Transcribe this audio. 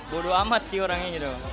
bodo amat sih orangnya gitu